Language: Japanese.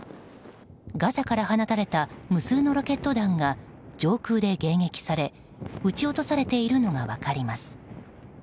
ガザから放たれた無数のロケット弾が上空で迎撃され撃ち落とされているのが分かります。